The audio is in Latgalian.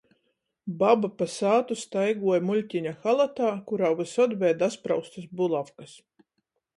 Baba pa sātu staiguoja muļtyna halatā, kurā vysod beja daspraustys bulavkys.